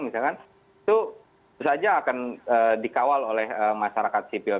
itu saja akan dikawal oleh masyarakat sipil